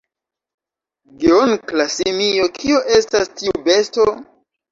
Geonkla simio: "Kio estas tiu besto?"